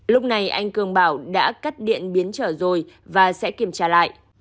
lúc này anh cường bảo đã cắt điện biến trở rồi và sẽ kiểm tra lại